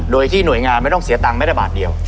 โดยที่หน่วยงานไม่ต้องเสียตังค์ไม่ได้บาทเดียว